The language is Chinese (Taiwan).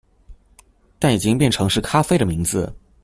但已經變成是咖啡的名字